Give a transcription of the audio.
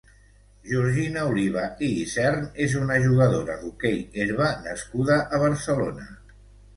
Georgina Oliva i Isern és una jugadora d'hoquei herba nascuda a Barcelona.